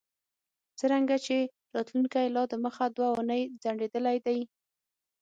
څرنګه چې راتلونکی لا دمخه دوه اونۍ ځنډیدلی دی